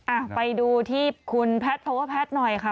อ่าไปดูที่คุณแพทพบว่าแพทหน่อยคะ